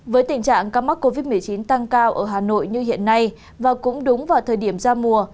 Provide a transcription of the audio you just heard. với tình trạng ca mắc covid một mươi chín tăng cao ở hà nội như hiện nay và cũng đúng vào thời điểm ra mùa